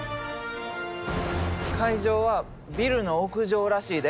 会場はビルの屋上らしいで。